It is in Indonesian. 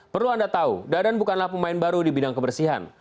perlu anda tahu dadan bukanlah pemain baru di bidang kebersihan